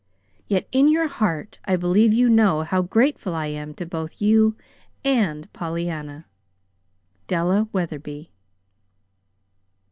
Yet in your heart I believe you know how grateful I am to both you and Pollyanna. "DELLA WETHERBY."